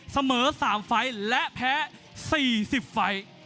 เสมอ๓ไฟล์และแพ้๔๐ไฟล์